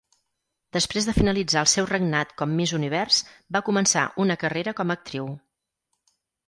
Després de finalitzar el seu regnat com Miss Univers, va començar una carrera com a actriu.